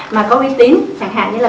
mà có uy tín chẳng hạn như là